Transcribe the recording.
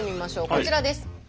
こちらです。